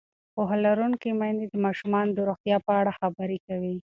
پوهه لرونکې میندې د ماشومانو د روغتیا په اړه خبرې کوي.